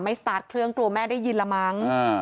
สตาร์ทเครื่องกลัวแม่ได้ยินละมั้ง